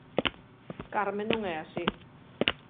Carme non é así.